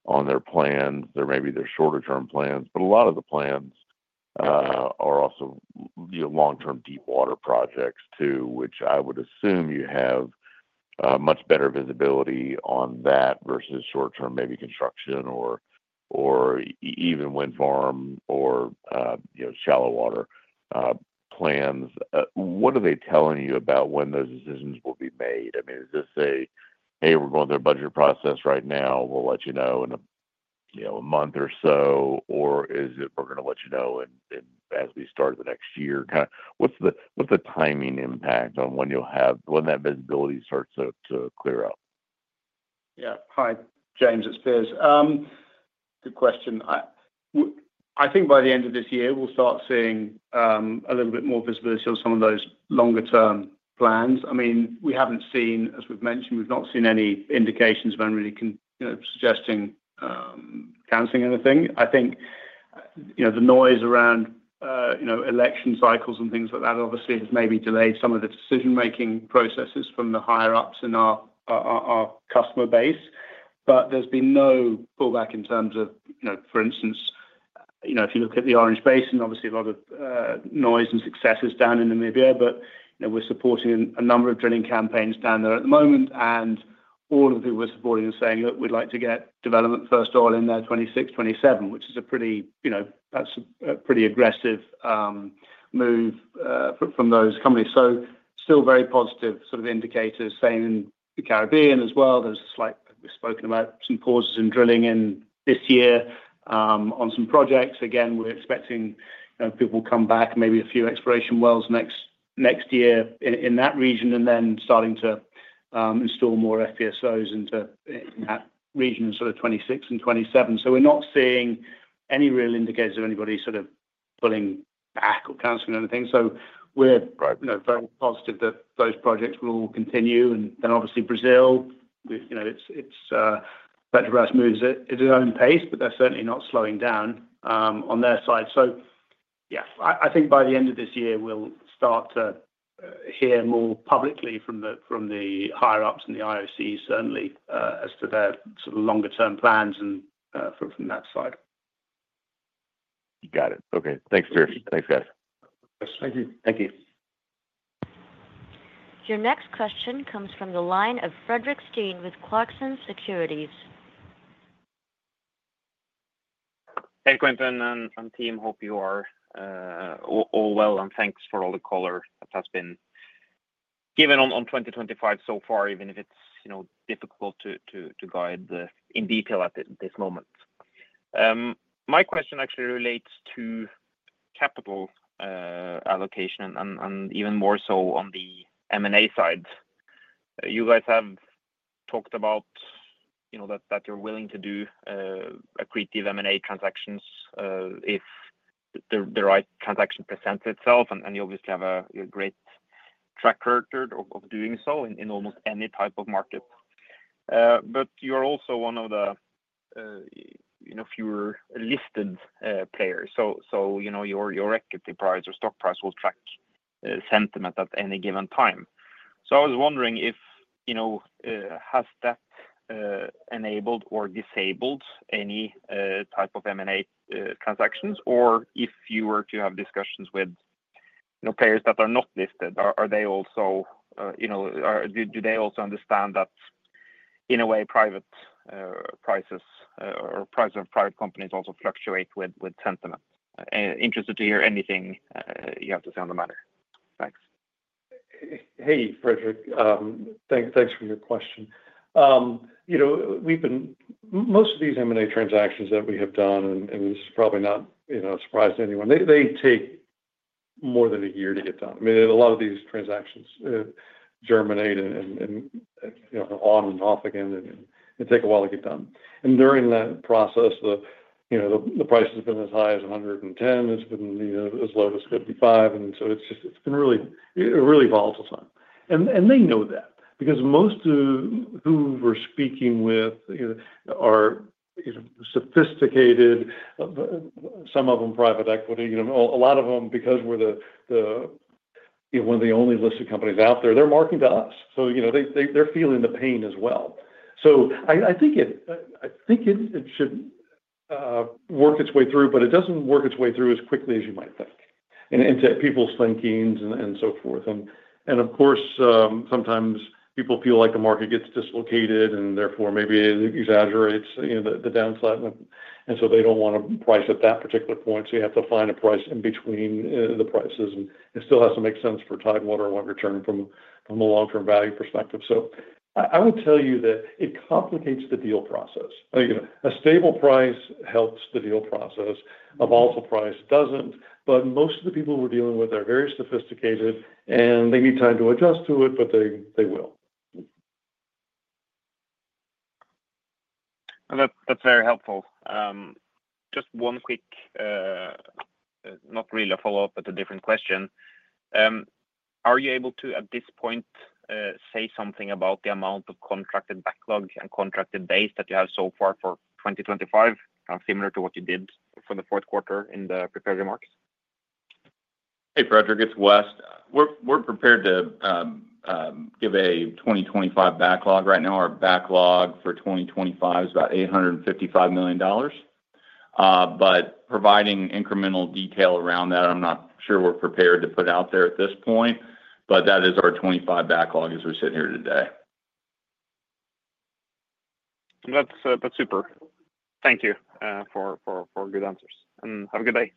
on their plans or maybe their shorter-term plans. But a lot of the plans are also long-term deep water projects too, which I would assume you have much better visibility on that versus short-term maybe construction or even wind farm or shallow water plans. What are they telling you about when those decisions will be made? I mean, is this a, "Hey, we're going through a budget process right now. “We’ll let you know in a month or so,” or is it, “We’re going to let you know as we start the next year”? Kind of what’s the timing impact on when that visibility starts to clear up? Yeah. Hi, James. It's Piers. Good question. I think by the end of this year, we'll start seeing a little bit more visibility on some of those longer-term plans. I mean, we haven't seen, as we've mentioned, we've not seen any indications of any really suggesting canceling anything. I think the noise around election cycles and things like that obviously has maybe delayed some of the decision-making processes from the higher-ups in our customer base. But there's been no pullback in terms of, for instance, if you look at the Orange Basin, obviously a lot of noise and success is down in Namibia, but we're supporting a number of drilling campaigns down there at the moment. And all of the people we're supporting are saying, "Look, we'd like to get development First Oil in there 2026, 2027," which is a pretty aggressive move from those companies. So still very positive sort of indicators. Same in the Caribbean as well. There's a slight we've spoken about some pauses in drilling in this year on some projects. Again, we're expecting people will come back, maybe a few exploration wells next year in that region, and then starting to install more FPSOs into that region in sort of 2026 and 2027. So we're not seeing any real indicators of anybody sort of pulling back or canceling anything. So we're very positive that those projects will all continue. And then obviously, Brazil, Petrobras moves at its own pace, but they're certainly not slowing down on their side. So yeah, I think by the end of this year, we'll start to hear more publicly from the higher-ups and the IOC, certainly, as to their sort of longer-term plans from that side. Got it. Okay. Thanks, Piers. Thanks, guys. Thank you. Thank you. Your next question comes from the line of Fredrik Stene with Clarksons Securities. Hey, Quintin. Hi, team. Hope you are all well, and thanks for all the color that has been given on 2025 so far, even if it's difficult to guide in detail at this moment. My question actually relates to capital allocation and even more so on the M&A side. You guys have talked about that you're willing to do accretive M&A transactions if the right transaction presents itself, and you obviously have a great track record of doing so in almost any type of market, but you're also one of the fewer listed players, so your equity price or stock price will track sentiment at any given time. I was wondering if that has enabled or disabled any type of M&A transactions, or if you were to have discussions with players that are not listed, do they also understand that in a way, private prices or prices of private companies also fluctuate with sentiment? Interested to hear anything you have to say on the matter. Thanks. Hey, Fredrik. Thanks for your question. Most of these M&A transactions that we have done, and this is probably not a surprise to anyone, they take more than a year to get done. I mean, a lot of these transactions germinate and on and off again, and it takes a while to get done, and during that process, the price has been as high as 110. It's been as low as 55, and so it's been a really volatile time, and they know that because most of who we're speaking with are sophisticated, some of them private equity. A lot of them, because we're one of the only listed companies out there, they're marketing to us. So they're feeling the pain as well. So I think it should work its way through, but it doesn't work its way through as quickly as you might think into people's thinkings and so forth. And of course, sometimes people feel like the market gets dislocated and therefore maybe it exaggerates the downside. And so they don't want to price at that particular point. So you have to find a price in between the prices and still has to make sense for Tidewater longer-term from a long-term value perspective. So I would tell you that it complicates the deal process. A stable price helps the deal process. A volatile price doesn't. But most of the people we're dealing with are very sophisticated, and they need time to adjust to it, but they will. That's very helpful. Just one quick, not really a follow-up, but a different question. Are you able to, at this point, say something about the amount of contracted backlog and contracted base that you have so far for 2025, kind of similar to what you did for the Q4 in the prepared remarks? Hey, Fredrik. It's Wes. We're prepared to give a 2025 backlog. Right now, our backlog for 2025 is about $855 million. But providing incremental detail around that, I'm not sure we're prepared to put out there at this point, but that is our '25 backlog as we sit here today. That's super. Thank you for good answers, and have a good day.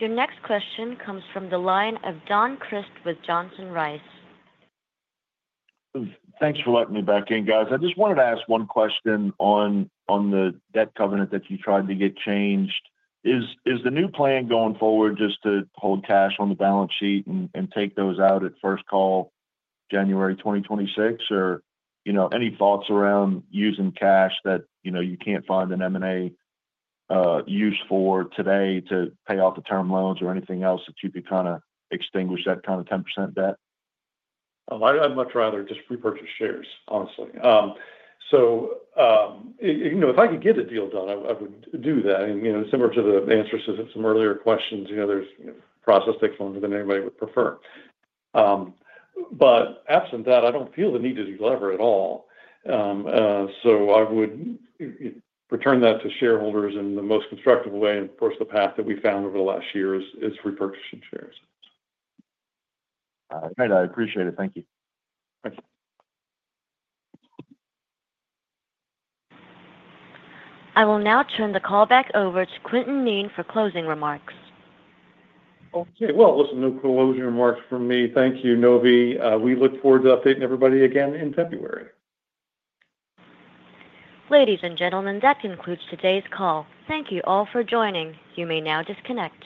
Your next question comes from the line of Don Crist with Johnson Rice. Thanks for letting me back in, guys. I just wanted to ask one question on the debt covenant that you tried to get changed. Is the new plan going forward just to hold cash on the balance sheet and take those out at first call, January 2026? Or any thoughts around using cash that you can't find an M&A use for today to pay off the term loans or anything else that you could kind of extinguish that kind of 10% debt? Oh, I'd much rather just repurchase shares, honestly. So if I could get a deal done, I would do that. And similar to the answers to some earlier questions, there's a process that goes on that anybody would prefer. But absent that, I don't feel the need to do leverage at all. So I would return that to shareholders in the most constructive way. And of course, the path that we found over the last year is repurchasing shares. All right. I appreciate it. Thank you. Thanks. I will now turn the call back over to Quintin Kneen for closing remarks. Okay, well, listen, no closing remarks from me. Thank you, Novi. We look forward to updating everybody again in February. Ladies and gentlemen, that concludes today's call. Thank you all for joining. You may now disconnect.